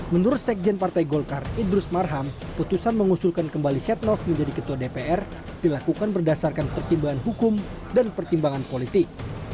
menurut sekjen partai golkar idrus marham putusan mengusulkan kembali setnov menjadi ketua dpr dilakukan berdasarkan pertimbangan hukum dan pertimbangan politik